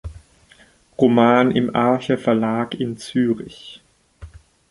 Roman" im Arche Verlag in Zürich.